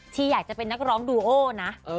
ที่อยากจะเป็นนักร้องดูโอนะ